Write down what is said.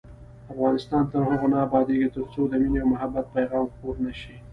افغانستان تر هغو نه ابادیږي، ترڅو د مینې او محبت پیغام خپور نشي.